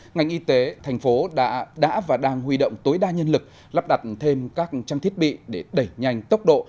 ngành y tế thành phố đã và đang huy động tối đa nhân lực lắp đặt thêm các trang thiết bị để đẩy nhanh tốc độ